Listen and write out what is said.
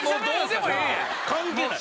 関係ない。